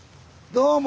どうも。